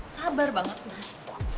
sabar banget mas